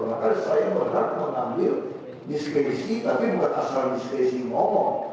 maka saya berhak mengambil diskresi tapi bukan asal diskresi ngomong